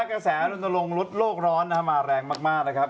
กระแสลูนตรงรถโรคร้อนมาแรงมากนะครับ